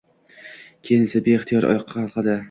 Keyin esa, beixtiyor oyoqqa qalqdi